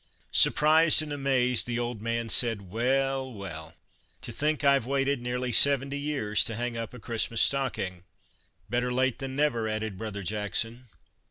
" Surprised and amazed, the old man said :" Well, well, to think 1 Ve waited nearly seventy years to hang up a Christmas stocking." " Better late than never," added brother Jackson.